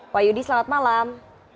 wahyudi selamat malam